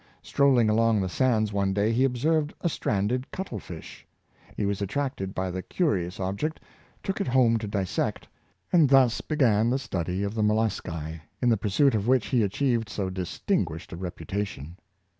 Strolling along the sands one day he observed a stranded cuttle fish. He was attracted by the curious object, took it home to dissect, and thus began the study of the molluscae, in the pursuit of which he achieved so distinguished a reputation.